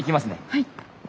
はい！